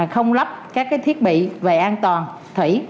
không lắp các thiết bị về an toàn thủy